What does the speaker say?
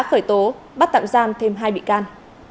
khởi tố bắt tạm giam thêm hai bị can